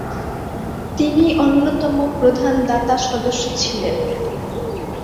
তিনি অন্যতম প্রধান দাতা সদস্য ছিলেন।